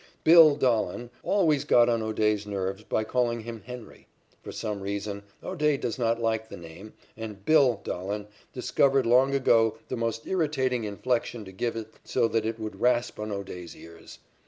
"Bill" Dahlen always got on O'Day's nerves by calling him "Henry." For some reason, O'Day does not like the name, and "Bill" Dahlen discovered long ago the most irritating inflection to give it so that it would rasp on O'Day's ears.